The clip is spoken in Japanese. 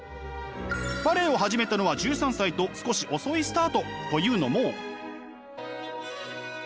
バレエを始めたのは１３歳と少し遅いスタート。というのも。